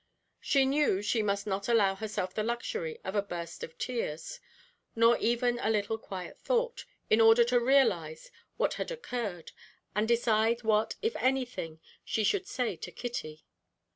She knew she must not allow herself the luxury of a burst of tears, nor even a little quiet thought, in order to realize what had occurred, and decide what, if anything, she should say to Kitty.